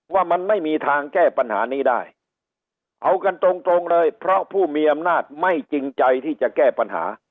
ว่ามันไม่มีทางแก้ปัญหานี้ได้เอากันตรงตรงเลยเพราะผู้มีอำนาจไม่จริงใจที่จะแก้ปัญหา